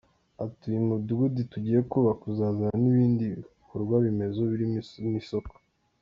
Ati “Uyu mudugudu tugiye kubaka uzazana n’ibindi bikorwaremezo birimo n’isoko”.